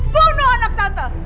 bunuh anak tante